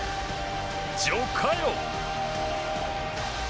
ジョ・カヨ。